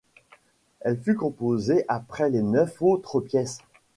Elle fut composée après les neuf autres pièces.